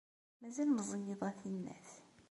Mazal meẓẓiyeḍ a tinnat.